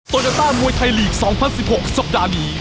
โยต้ามวยไทยลีก๒๐๑๖สัปดาห์นี้